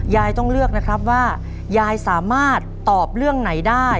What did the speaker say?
ยายต้องเลือกนะครับว่ายายสามารถตอบเรื่องไหนได้